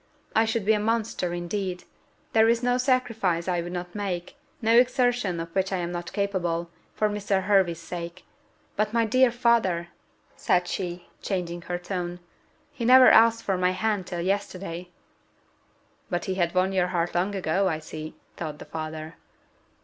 I should be a monster indeed! There is no sacrifice I would not make, no exertion of which I am not capable, for Mr. Hervey's sake. But, my dear father," said she, changing her tone, "he never asked for my hand till yesterday." But he had won your heart long ago, I see, thought her father.